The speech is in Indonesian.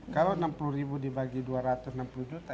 kalau enam puluh ribu dibagi dua ratus enam puluh juta